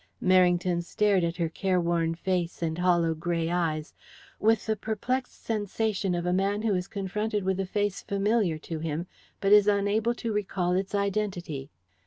Merrington stared at her careworn face and hollow grey eyes with the perplexed sensation of a man who is confronted with a face familiar to him, but is unable to recall its identity.